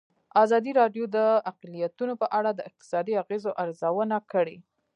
ازادي راډیو د اقلیتونه په اړه د اقتصادي اغېزو ارزونه کړې.